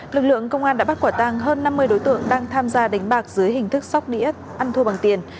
lực lượng công an đã bắt quả tăng hơn năm mươi đối tượng đang tham gia đánh bạc dưới hình thức sóc đĩa ăn thua bằng tiền